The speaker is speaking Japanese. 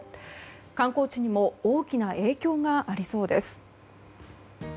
観光地にも大きな影響がありそうです。